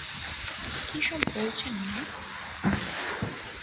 কি সব বলছেন, মা?